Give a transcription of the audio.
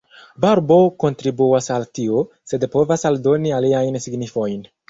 Barbo kontribuas al tio, sed povas aldoni aliajn signifojn.